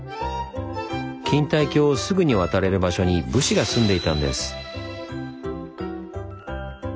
錦帯橋をすぐに渡れる場所に武士が住んでいたんです。